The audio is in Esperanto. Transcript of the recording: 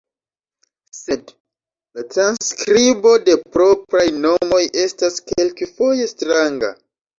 Sed la transskribo de propraj nomoj estas kelkfoje stranga.